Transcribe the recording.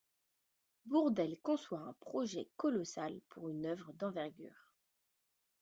Bourdelle conçoit un projet colossal pour une œuvre d’envergure.